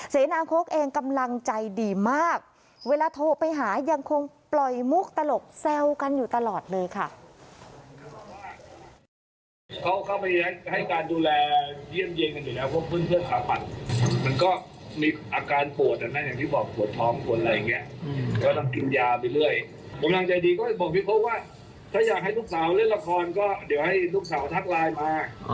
เสนาโค้กเองกำลังใจดีมากเวลาโทรไปหายังคงปล่อยมุกตลกแซวกันอยู่ตลอดเลยค่ะ